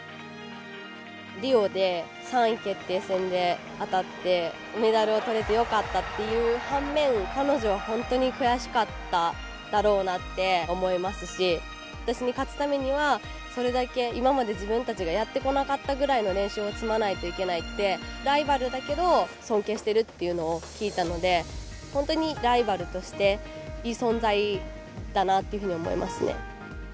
リオで３位決定戦で当たってメダルを取れてよかったっていう反面彼女は本当に悔しかっただろうなって思いますし私に勝つためにはそれだけ今まで自分たちがやってこなかったぐらいの練習を積まないといけないってライバルだけど尊敬してるっていうのを聞いたので本当にライバルとしていい存在だなっていうふうに思いますね。